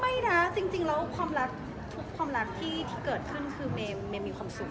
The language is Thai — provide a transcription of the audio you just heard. ไม่นะจริงแล้วความรักทุกความรักที่เกิดขึ้นคือเมย์มีความสุข